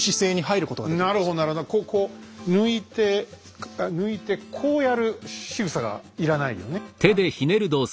こう抜いて抜いてこうやるしぐさが要らないよねなるほど。